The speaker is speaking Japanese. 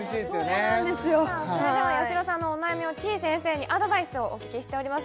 はいそれではやしろさんのお悩みをてぃ先生にアドバイスをお聞きしております